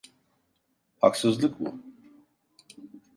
Haksızlık bu!